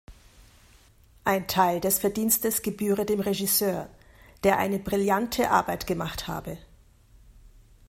Ein Teil des Verdienstes gebühre dem Regisseur, der eine "„brillante“" Arbeit gemacht habe.